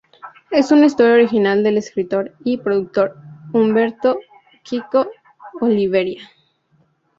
Es una historia original del escritor y productor Humberto "Kiko" Olivieri.